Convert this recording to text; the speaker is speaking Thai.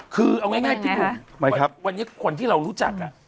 คือเอาง่ายวันนี้คนที่เรารู้จักอ่ะ